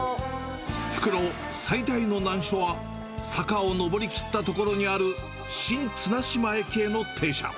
復路最大の難所は、坂を上りきった所にある新綱島駅への停車。